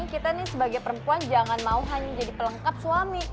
kita nih sebagai perempuan jangan mau hanya jadi pelengkap suami